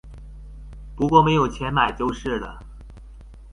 不過沒有錢買就是了